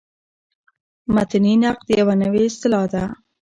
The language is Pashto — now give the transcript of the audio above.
متني نقد یوه نوې اصطلاح ده.